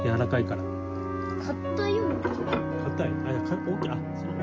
かたいよ。